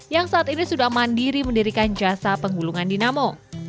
yang saat ini sudah mandiri mendirikan jasa penggulungan dinamo